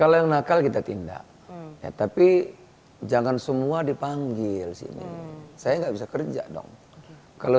hai kalau nakal kita tindak tapi jangan semua dipanggil sini saya nggak bisa kerja dong kalau